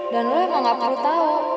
dan lo emang nepar teresa